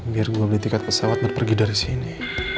biar gue beli tiket pesawat berpergi dari sini